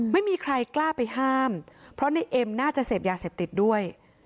ไม่มีใครกล้าไปห้ามเพราะในเอ็มน่าจะเสพยาเสพติดด้วย